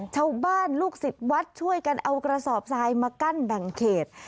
ชาวบ้านลูกศิษย์วัดช่วยกันเอากระสอบทรายมากั้นแบ่งเขต